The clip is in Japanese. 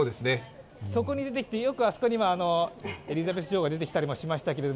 そこに出てきて、よくあそこにエリザベス女王が出てきたりもしましたけど。